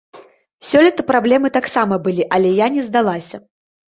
Сёлета праблемы таксама былі, але я не здалася.